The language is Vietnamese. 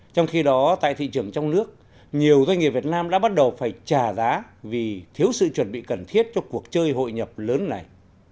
trong khi đó tại thị trường trong nước nhiều doanh nghiệp việt nam đã bắt đầu phải trả giá vì thiếu sự chuẩn bị cần thiết cho cuộc chơi hội nhập lớn này